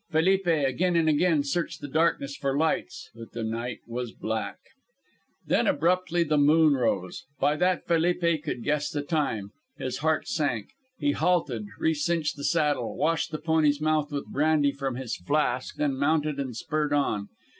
Felipe again and again searched the darkness for lights, but the night was black. Then abruptly the moon rose. By that Felipe could guess the time. His heart sank. He halted, recinched the saddle, washed the pony's mouth with brandy from his flask, then mounted and spurred on.